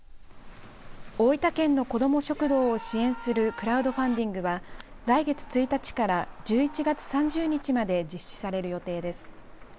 大分県の子ども食堂を支援するクラウドファンディングは来月１日から１１月３０日まで実施される予定です。